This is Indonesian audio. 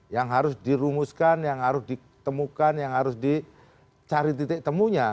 yang harus dirumuskan yang harus ditemukan yang harus dicari titik temunya